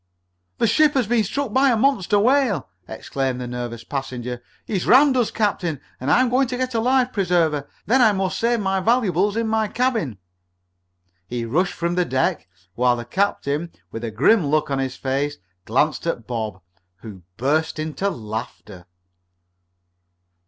"The ship has been struck by a monster whale!" exclaimed the nervous passenger, "He's rammed us, captain, and I'm going to get a life preserver! Then I must save my valuables in my cabin!" He rushed from the deck, while the captain, with a grim look on his face, glanced at Bob, who burst into laughter.